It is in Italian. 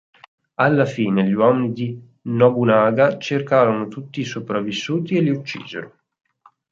Alla fine gli uomini di Nobunaga cercarono tutti i sopravvissuti e li uccisero.